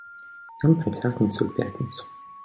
Ён працягнецца ў пятніцу.